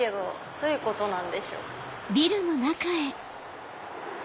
どういうことなんでしょう？